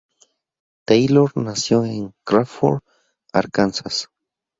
Taylor nació en Crawford, Arkansas.